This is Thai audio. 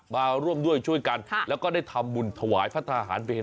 มาร่วมด้วยช่วยกันแล้วก็ได้ทำบุญถวายพระทหารเพล